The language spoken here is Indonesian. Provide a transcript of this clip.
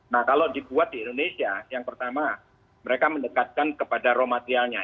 nah kalau dibuat di indonesia yang pertama mereka mendekatkan kepada raw materialnya